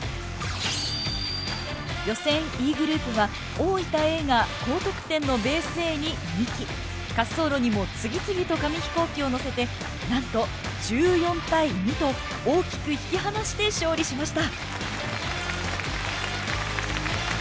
予選Ｅグループは大分Ａが高得点のベースＡに２機滑走路にも次々と紙飛行機をのせてなんと１４対２と大きく引き離して勝利しました。